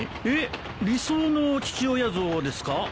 えっ？理想の父親像ですか？